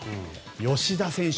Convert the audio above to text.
吉田選手